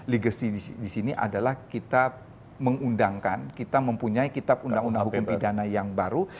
legacy di sini adalah kita mengundangkan kita mempunyai kitab undang undang hukum pidana yang baru